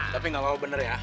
tapi gak apa apa bener ya